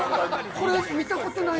これ見たことない。